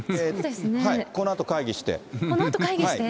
このあと会議して。